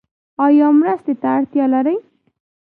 ایا مرستې ته اړتیا لرئ؟